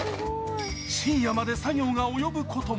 深夜まで作業が及ぶことも。